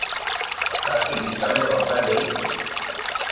তার কি বিশ্রামের দরকার নই?